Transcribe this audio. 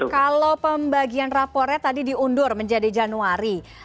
kalau pembagian rapornya tadi diundur menjadi januari